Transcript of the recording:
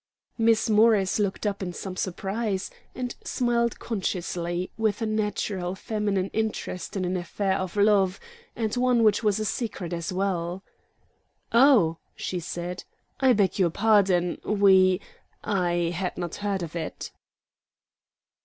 Miss Morris looked up in some surprise, and smiled consciously, with a natural feminine interest in an affair of love, and one which was a secret as well. "Oh," she said, "I beg your pardon; we I had not heard of it."